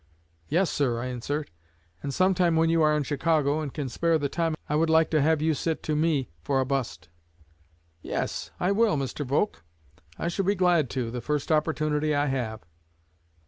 'Yes, sir,' I answered; 'and sometime when you are in Chicago, and can spare the time, I would like to have you sit to me for a bust.' 'Yes, I will, Mr. Volk; I shall be glad to, the first opportunity I have.'